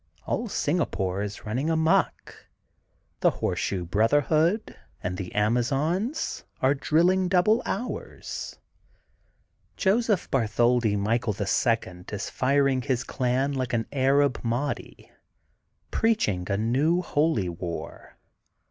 All Singapore is running amuck. The Horseshoe Brotherhood and the Amazons are drilling double hours. Joseph Bartholdi Mi chael, the Second, is firing his clan like an Arab Mahdl, preaching a new holy war.